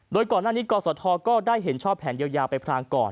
โดยก่อนหน้านี้กศธก็ได้เห็นชอบแผนเยียวยาไปพรางก่อน